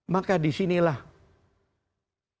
maka di sinilah kita baru bicara